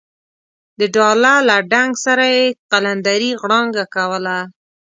د ډاله له ډنګ سره یې قلندرې غړانګه کوله.